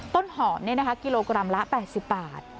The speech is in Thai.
ต้นหอมกิโลกรัมละ๘๐บาท